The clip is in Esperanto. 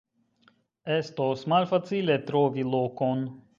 Estos malfacile trovi lokon.